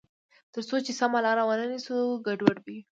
تر څو چې سمه لار ونه نیسو، ګډوډ به یو.